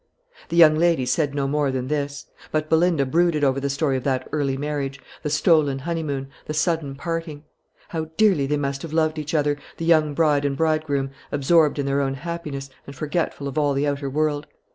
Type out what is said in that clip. The young lady said no more than this; but Belinda brooded over the story of that early marriage, the stolen honeymoon, the sudden parting. How dearly they must have loved each other, the young bride and bridegroom, absorbed in their own happiness, and forgetful of all the outer world!